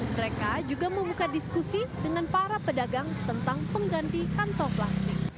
mereka juga membuka diskusi dengan para pedagang tentang pengganti kantong plastik